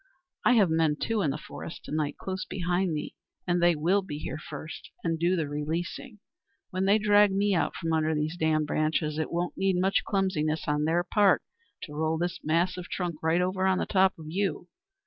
I have men, too, in the forest to night, close behind me, and they will be here first and do the releasing. When they drag me out from under these damned branches it won't need much clumsiness on their part to roll this mass of trunk right over on the top of you.